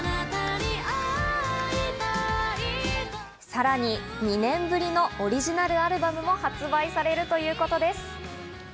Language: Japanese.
さらに、２年ぶりのオリジナルアルバムも発売されるということです。